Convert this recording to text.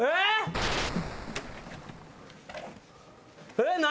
えっ何？